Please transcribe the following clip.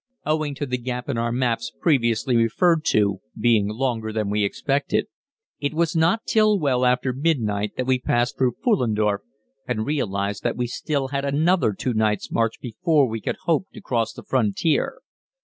Owing to the gap in our maps, previously referred to, being longer than we expected, it was not till well after midnight that we passed through Pfullendorf and realized that we still had another two nights' march before we could hope to cross the frontier.